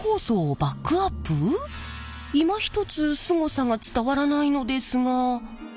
いまひとつすごさが伝わらないのですが。